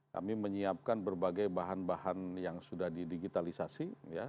kami menyiapkan berbagai bahan bahan yang sudah didigitalisasi